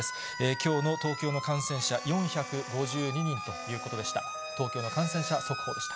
きょうの東京の感染者、４５２人ということでした。